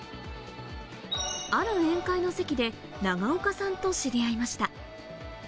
ある宴会の席で、長岡さんと知り合いました。